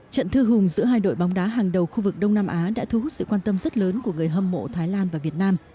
trận thư hùng giữa hai đội bóng đá hàng đầu khu vực đông nam á đã thu hút sự quan tâm rất lớn của người hâm mộ thái lan và việt nam